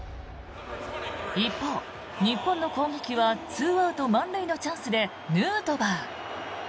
一方、日本の攻撃は２アウト満塁のチャンスでヌートバー。